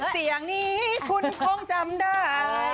เสียงนี้คุณคงจำได้